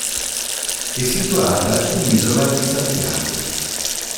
È situata sull'isola di Santiago.